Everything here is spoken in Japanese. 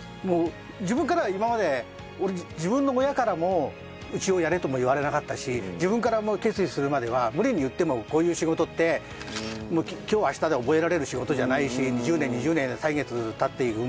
自分からは今まで俺自分の親からもうちをやれとも言われなかったし自分から決意するまでは無理に言ってもこういう仕事って今日明日で覚えられる仕事じゃないし１０年２０年歳月経っていくもんだから。